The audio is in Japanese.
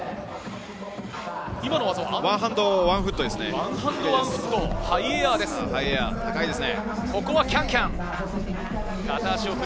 ワンハンドオンワンフットですね。